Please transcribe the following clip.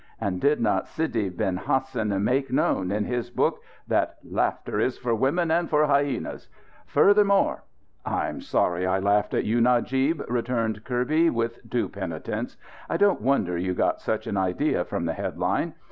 And did not Sidi ben Hassan make known, in his book, that 'Laughter is for women and for hyenas'? Furthermore " "I'm sorry I laughed at you, Najib," returned Kirby, with due penitence, "I don't wonder you got such an idea, from the headline.